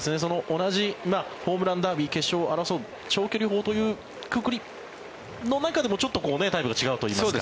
同じホームランダービー決勝を争う長距離砲というくくりの中でもちょっとタイプが違うといいますか。